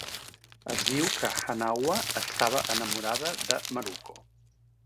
Es diu que Hanawa estava enamorada de Maruko.